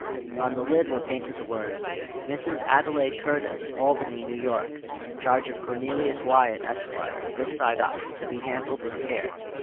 On the lid were painted the words: "Mrs. Adelaide Curtis, Albany, New York. Charge of Cornelius Wyatt, Esq. This side up. To be handled with care."